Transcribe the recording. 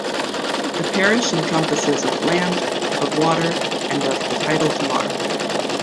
The parish encompasses of land, of water, and of the tidal Tamar.